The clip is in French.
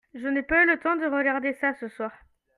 je n'ai pas eu le temps de regarder ça ce soir.